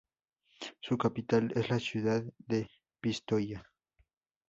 Su capital es la ciudad de Pistoia.